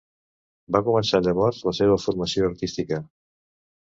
Va començar llavors la seva formació artística.